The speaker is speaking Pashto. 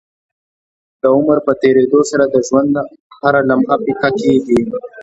د عمر په تيريدو سره د ژوند هره لمحه پيکه کيږي